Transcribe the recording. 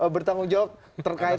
bertanggung jawab terkait